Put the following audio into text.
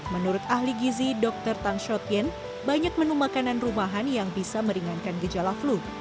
menurut ahli gizi dr tan shot yen banyak menu makanan rumahan yang bisa meringankan gejala flu